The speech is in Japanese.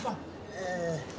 ええ。